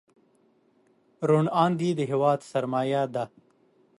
روڼ اندي د هېواد سرمایه ده.